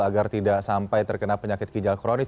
agar tidak sampai terkena penyakit ginjal kronis